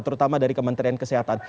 terutama dari kementerian kesehatan